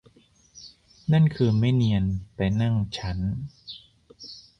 นั่นคือไม่เนียนไปนั่งชั้น